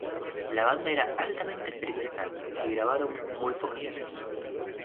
La banda era altamente experimental y grabaron muy pocas piezas.